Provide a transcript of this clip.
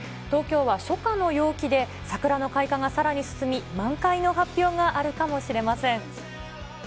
東京は初夏の陽気で、桜の開花がさらに進み、満開の発表があるかもしれません。